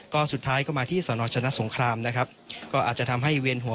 ก็สุดท้ายก็มาที่สนชนะสงครามนะครับก็อาจจะทำให้เวียนหัว